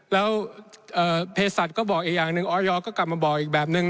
แล้วเพศัตริย์ก็บอกอีกอย่างหนึ่งออยก็กลับมาบอกอีกแบบนึง